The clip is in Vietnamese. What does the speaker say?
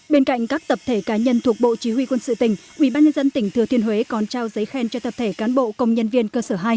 bên cạnh các tập thể cá nhân thuộc bộ chỉ huy quân sự tỉnh ubnd tỉnh thừa thiên huế còn trao giấy khen cho tập thể cán bộ công nhân viên cơ sở hai